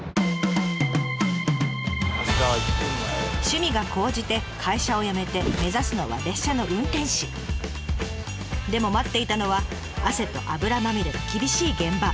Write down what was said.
趣味が高じて会社を辞めて目指すのはでも待っていたのは汗と油まみれの厳しい現場。